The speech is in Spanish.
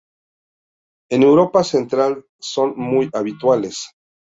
En Europa Central son muy habituales.